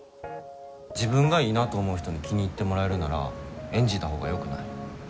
自分がいいなと思う人に気に入ってもらえるなら演じたほうがよくない？